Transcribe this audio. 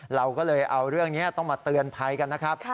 เราก็เลยเอาเรื่องนี้ต้องมาเตือนภัยกันนะครับ